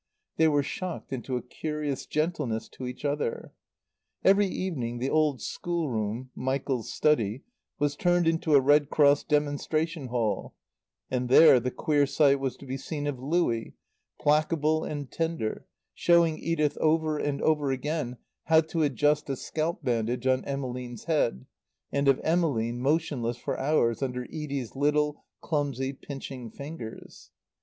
They were shocked into a curious gentleness to each other. Every evening the old schoolroom (Michael's study) was turned into a Red Cross demonstration hall, and there the queer sight was to be seen of Louie, placable and tender, showing Edith over and over again how to adjust a scalp bandage on Emmeline's head, and of Emmeline motionless for hours under Edie's little, clumsy, pinching fingers.